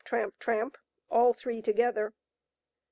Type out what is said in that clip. tramp ! tramp !— all three together.